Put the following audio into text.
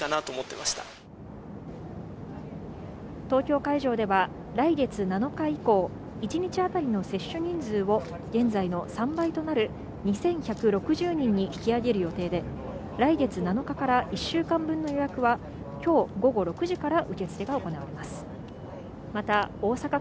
東京会場では来月７日以降、一日あたりの接種人数を現在の３倍となる２１６０人に引き上げる予定で、来月７日から１週間分の予約はきょう午後６時から受け付けが行われます。